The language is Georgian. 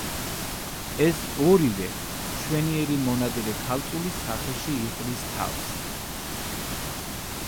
ეს ორივე, მშვენიერი მონადირე ქალწულის სახეში იყრის თავს.